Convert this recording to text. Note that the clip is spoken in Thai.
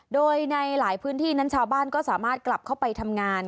โดยในหลายพื้นที่นั้นชาวบ้านก็สามารถกลับเข้าไปทำงาน